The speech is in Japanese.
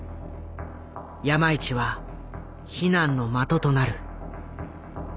山一は非難の的となる。